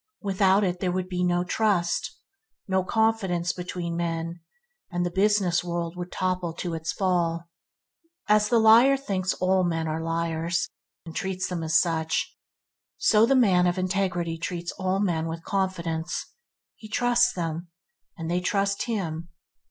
Without it there would be no trust, no confidence between men, and the business world would topple to its fall. As the liar thinks all men are liars, and treats them as such, so the man of integrity treats all men with confidence. He trusts them, and they trust him.